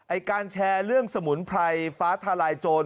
การแชร์เรื่องสมุนไพรฟ้าทลายโจร